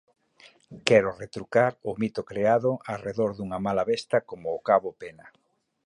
Quero retrucar o mito creado arredor dunha mala besta como o cabo Pena.